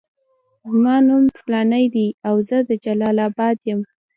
زما نوم فلانی دی او زه د جلال اباد یم.